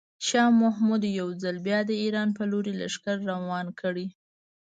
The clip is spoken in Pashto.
شاه محمود یو ځل بیا د ایران په لوري لښکرې روانې کړې.